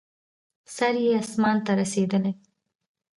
سر یې اسمان ته رسېدلی.